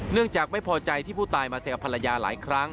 เนื่องจากไม่พอใจที่ผู้ตายมาเสียภรรยาหลายครั้ง